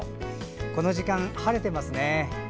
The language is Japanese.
この時間、晴れてますね。